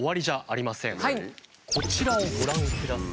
こちらをご覧ください。